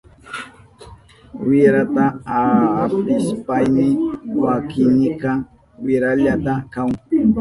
Wirata apishpayni makinika wirahlla kahun.